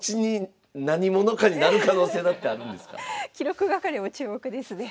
でその記録係も注目ですね。